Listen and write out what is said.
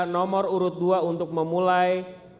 nomor urut dua untuk memulai